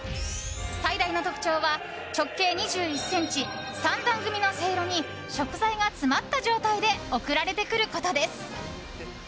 最大の特徴は、直径２１ｃｍ３段組のせいろに食材が詰まった状態で送られてくることです。